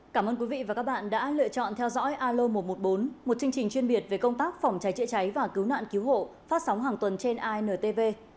cảm ơn quý vị và các bạn đã lựa chọn theo dõi alo một trăm một mươi bốn một chương trình chuyên biệt về công tác phòng cháy chữa cháy và cứu nạn cứu hộ phát sóng hàng tuần trên intv